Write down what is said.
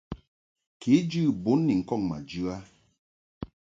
Kejɨ bun ni ŋkɔŋ ma jɨ a.